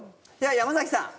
山崎さん